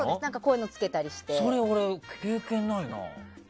それ俺、経験ないな。